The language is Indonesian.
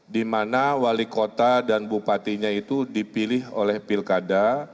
di mana wali kota dan bupatinya itu dipilih oleh pilkada